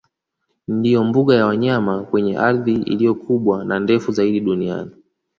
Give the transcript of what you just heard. Ndiyo mbuga ya wanyama kwenye ardhi iliyo kubwa na ndefu zaidi duniani